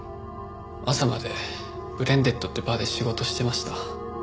朝までブレンデッドってバーで仕事してました。